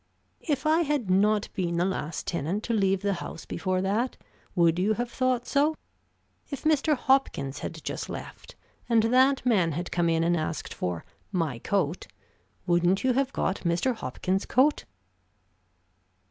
"If I had not been the last tenant to leave the house before that, would you have thought so? If Mr. Hopkins had just left, and that man had come in and asked for 'My coat,' wouldn't you have got Mr. Hopkins' coat?"